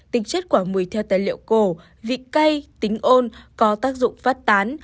tính chất quả mùi theo tài liệu cổ vị cay tính ôn có tác dụng phát tán